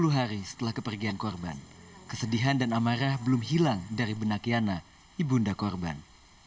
tiga puluh hari setelah kepergian korban kesedihan dan amarah belum hilang dari benakiana ibunda korban